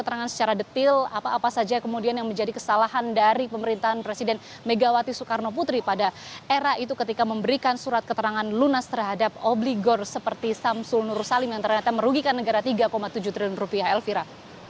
keterangan secara detil apa apa saja kemudian yang menjadi kesalahan dari pemerintahan presiden megawati soekarno putri pada era itu ketika memberikan surat keterangan lunas terhadap obligor seperti samsul nur salim yang ternyata merugikan negara tiga tujuh triliun rupiah elvira